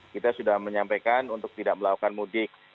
kita sudah menyampaikan untuk tidak melakukan mudik